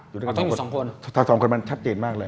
อยู่ด้วยกันอยู่สองคนอเจมส์ถ้าสองคนมันชัดเจนมากเลย